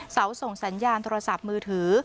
ส่งสัญญาณโทรศัพท์มือถือ